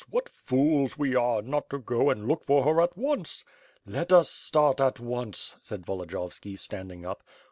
What fools we are not to go and look for her at once." "Let us start at once," said Volodiyovski, standing up.